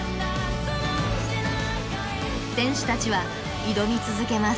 選手たちは挑み続けます。